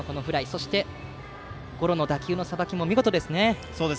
そして、ゴロの打球のさばきも見事ですね。